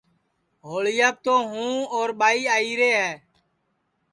ہوݪیاپ تو ہوں اور ٻائی آئیرے ہے